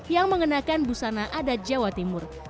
yang mengenakan busana adat jawa timur